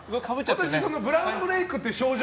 私ブラウンブレークっていう症状